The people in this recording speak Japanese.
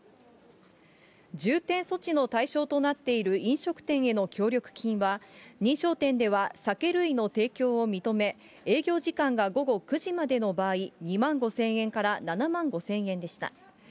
重点措置の対象となっている飲食店への協力金は、認証店では酒類の提供を認め、営業時間が午後９時までの場合、２万５０００円から７万５０００円でした。